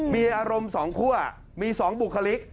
มีอารมณ์๒คั่วมี๒บุคลิก